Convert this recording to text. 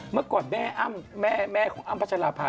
เมื่อก่อนนางตี